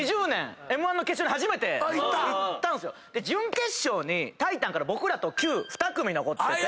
準決勝にタイタンから僕らとキュウ２組残ってて。